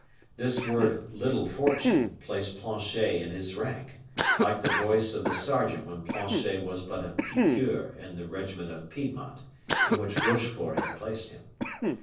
This word little fortune placed Planchet in his rank, like the voice of the sergeant when Planchet was but a piqueur in the regiment of Piedmont, in which Rochefort had placed him.